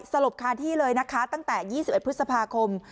สลบคาที่เลยนะคะตั้งแต่๒๑พฤษภาคม